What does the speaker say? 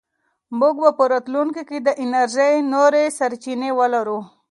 موږ به په راتلونکي کې د انرژۍ نورې سرچینې ولرو.